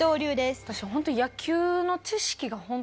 私ホントに。